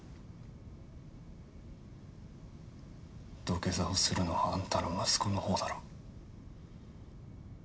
土下座をするのはあんたの息子のほうだろ。